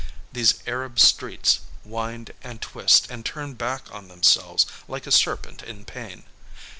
These Arab streets wind, and twist, and turn back on themselves like a serpent in pain.